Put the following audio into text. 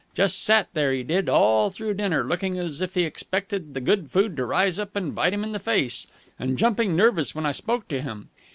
Just sat there, he did, all through dinner, looking as if he expected the good food to rise up and bite him in the face, and jumping nervous when I spoke to him.